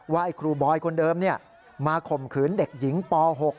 ว่าครูบอยคนเดิมมาข่มขืนเด็กหญิงป๖